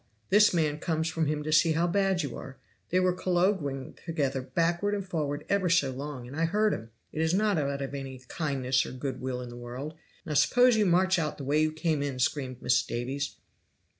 this man comes from him to see how bad you are they were colloguing together backward and forward ever so long, and I heard 'em it is not out of any kindness or good will in the world. Now suppose you march out the way you came in!" screamed Mrs. Davies.